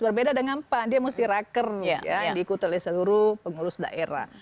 berbeda dengan pan dia mesti raker diikuti oleh seluruh pengurus daerah